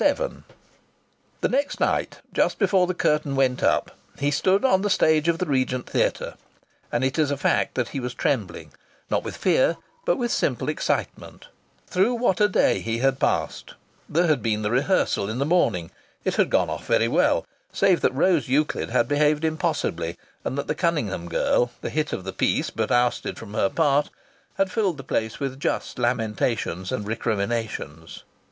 VII The next night, just before the curtain went up, he stood on the stage of the Regent Theatre, and it is a fact that he was trembling not with fear but with simple excitement. Through what a day he had passed! There had been the rehearsal in the morning; it had gone off very well, save that Rose Euclid had behaved impossibly, and that the Cunningham girl, the hit of the piece but ousted from her part, had filled the place with just lamentations and recriminations.